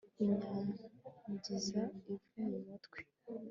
binyanyagiza ivu mu mutwe